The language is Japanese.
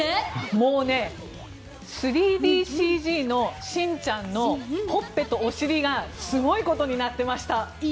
もうね３ＤＣＧのしんちゃんのほっぺとお尻がすごいことになってました。